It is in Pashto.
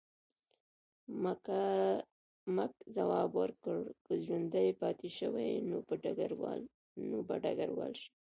مک ځواب ورکړ، که ژوندی پاتې شوې نو به ډګروال شې.